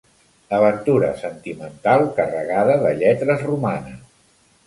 Aventura sentimental carregada de lletres romanes.